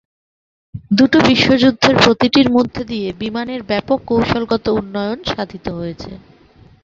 দুটো বিশ্বযুদ্ধের প্রতিটির মধ্য দিয়ে বিমানের ব্যাপক কৌশলগত উন্নয়ন সাধিত হয়েছে।